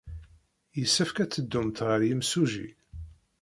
Yessefk ad teddumt ɣer yemsujji.